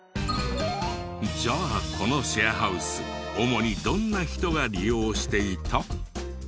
じゃあこのシェアハウス主にどんな人が利用していた？